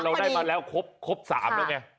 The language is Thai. เราได้มาแล้วครบ๓แล้วไง